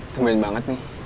tembel banget nih